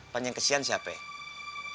panjang kesian siapa ya